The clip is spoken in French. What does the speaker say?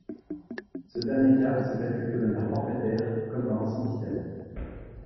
Ce dernier cas se calcule de manière forfaitaire comme dans l'ancien système.